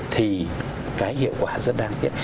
thì cái hiệu quả rất đáng tiếc